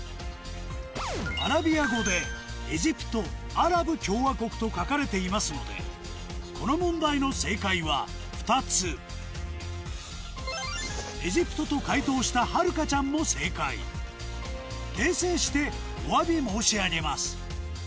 アラビア語で「エジプト・アラブ共和国」と書かれていますのでこの問題の正解は２つ「エジプト」と解答したはるかちゃんも正解訂正しておわび申し上げます